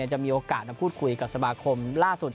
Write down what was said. จะมีโอกาสมาพูดคุยกับสมาคมล่าสุด